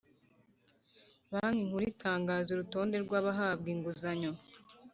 Banki nkuru itangaza urutonde rw’ abahabwa inguzanyo